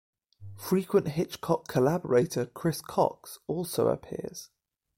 Frequent Hitchcock collaborator Chris Cox also appears.